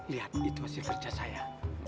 lihat itu hasil kerja saya